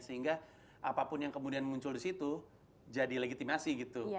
sehingga apapun yang kemudian muncul di situ jadi legitimasi gitu